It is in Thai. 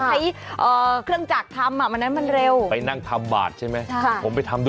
โอ้โฮนะเพราะว่าทำมือไงคะ